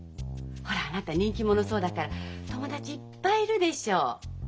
ほらあなた人気者そうだから友達いっぱいいるでしょう？